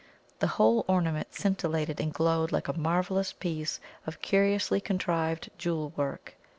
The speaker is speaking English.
The whole ornament scintillated and glowed like a marvellous piece of curiously contrived jewel work.